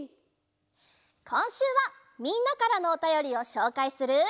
こんしゅうはみんなからのおたよりをしょうかいする。